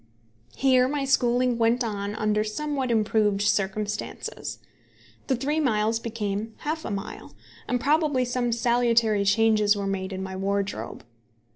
Here my schooling went on under somewhat improved circumstances. The three miles became half a mile, and probably some salutary changes were made in my wardrobe.